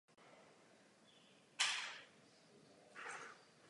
Podle okolí trávil Jeffrey obrovské množství času na internetu.